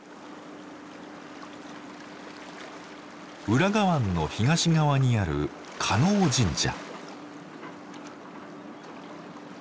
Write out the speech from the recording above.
浦賀湾の東側にある叶神社。